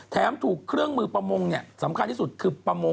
แถมถูกเครื่องมือประมงสำคัญที่สุดคือประมง